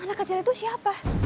anak kecil itu siapa